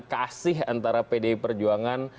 kasih antara pdi perjuangan